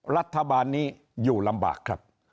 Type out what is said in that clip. รัฐบาลนี้อยู่ลำบากครับ